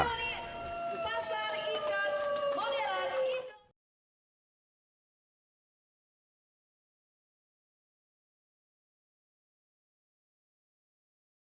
pasar ikan modern indonesia